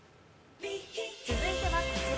続いてはこちら。